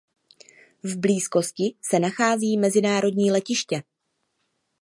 V blízkosti se nachází mezinárodní letiště.